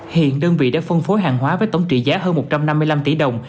hiện đơn vị đã phân phối hàng hóa với tổng trị giá hơn một trăm năm mươi năm tỷ đồng